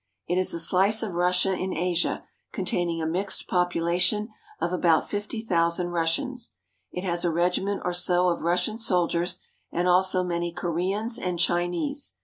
It is a slice of Russia in Asia, containing a mixed popula tion of about fifty thousand Russians. It has a regiment or so of Russian soldiers and also many Koreans and Chinese.